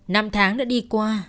năm tháng đã đi qua